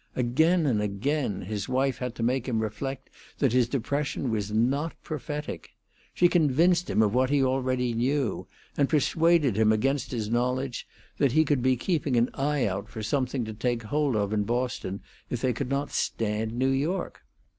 Again and again his wife had to make him reflect that his depression was not prophetic. She convinced him of what he already knew, and persuaded him against his knowledge that he could be keeping an eye out for something to take hold of in Boston if they could not stand New York.